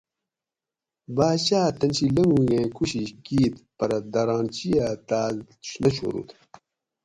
باچا اۤ تن شی لنگوگیں کو شیش کیت پٞرہ درانچی اٞ تاس نہ چُھو روت